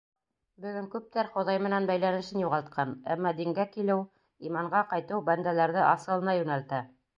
Бөгөн күптәр Хоҙай менән бәйләнешен юғалтҡан, әммә дингә килеү, иманға ҡайтыу бәндәләрҙе асылына йүнәлтә.